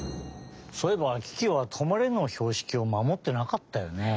そういえばキキは「止まれ」のひょうしきをまもってなかったよね。